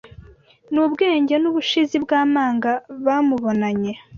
n’ubwenge n’ubushizi bw’amanga bamubonanye